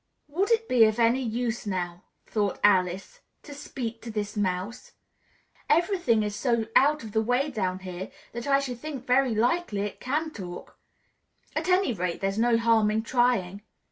"Would it be of any use, now," thought Alice, "to speak to this mouse? Everything is so out of the way down here that I should think very likely it can talk; at any rate, there's no harm in trying."